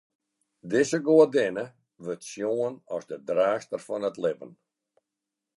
Dizze goadinne wurdt sjoen as de draachster fan it libben.